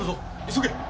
急げ。